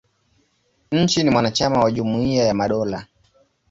Nchi ni mwanachama wa Jumuia ya Madola.